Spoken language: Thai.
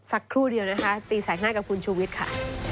สักครู่เดียวนะคะตีแสกหน้ากับคุณชูวิทย์ค่ะ